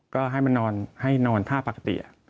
ก็ให้มานอนให้นอนท่าปกติ